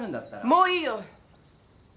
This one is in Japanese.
もういいよ！